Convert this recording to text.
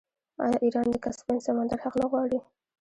آیا ایران د کسپین سمندر حق نه غواړي؟